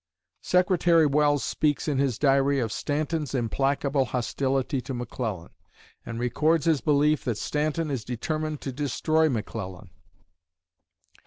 Secretary Welles speaks, in his Diary, of "Stanton's implacable hostility to McClellan," and records his belief that "Stanton is determined to destroy McClellan."